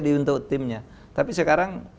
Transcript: diuntuk timnya tapi sekarang